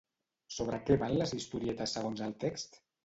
Sobre què van les historietes segons el text?